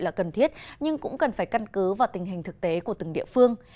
là cần thiết nhưng cũng cần phải căn cứ vào tình hình thực tế của từng địa phương